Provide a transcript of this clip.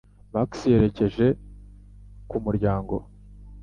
Max yerekeje ku muryango